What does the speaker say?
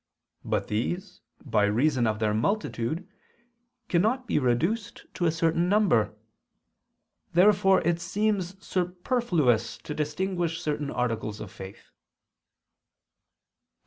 But these, by reason of their multitude, cannot be reduced to a certain number. Therefore it seems superfluous to distinguish certain articles of faith. Obj.